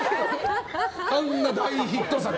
あんな大ヒット作。